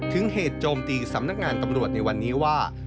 เหตุโจมตีสำนักงานตำรวจในวันนี้ว่า